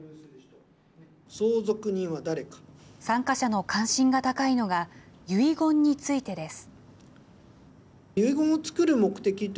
参加者の関心が高いのが、遺言についてです。